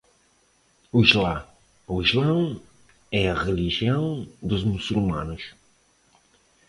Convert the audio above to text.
O islã ou islão é a religião dos muçulmanos